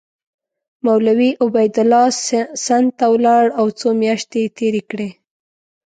مولوي عبیدالله سند ته ولاړ او څو میاشتې یې تېرې کړې.